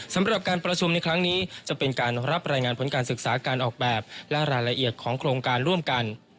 สำหรับการประชุมในครั้งนี้จะเป็นการรับรายงานผลการศึกษาการออกแบบและรายละเอียดของโครงการร่วมกัน